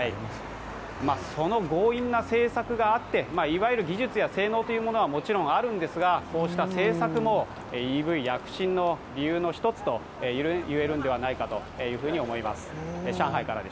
その強引な政策があって、もちろん技術、性能といったものもあるんですが、こうした政策もＥＶ躍進の理由の一つと言えるんじゃないかと思います。